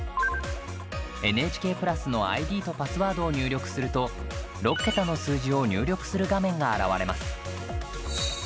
ＮＨＫプラスのＩＤとパスワードを入力すると６桁の数字を入力する画面が現れます。